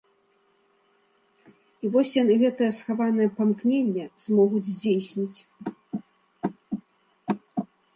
І вось яны гэтае схаванае памкненне змогуць здзейсніць.